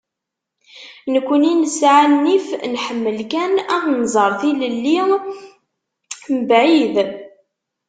Nekkni nesɛa nnif, nḥemmel kan ad tnẓer tilelli mebɛid.